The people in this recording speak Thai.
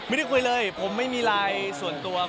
ไม่ได้คุยเลยผมไม่มีไลน์ส่วนตัว